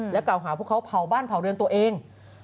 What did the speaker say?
กล่าวหาพวกเขาเผาบ้านเผาเรือนตัวเอง